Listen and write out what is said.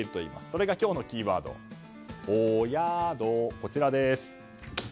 それが今日のキーワードオヤドです。